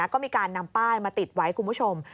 ก็มีการนำป้ายมาติดไว้คุณผู้ชม